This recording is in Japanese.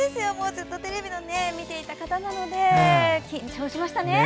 ずっとテレビで見ていた方なので緊張しましたね。